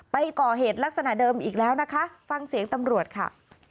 ไปก่อเหตุลักษณะเดิมอีกแล้วนะคะฟังเสียงตำรวจค่ะ